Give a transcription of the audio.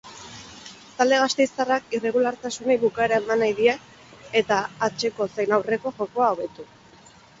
Talde gasteiztarrak irregulartasunei bukaera eman nahi die eta atseko zein aurreko jokoa hobetu.